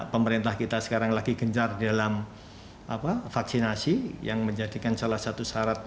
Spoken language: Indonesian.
pemerintah kita sekarang lagi gencar dalam vaksinasi yang menjadikan salah satu syarat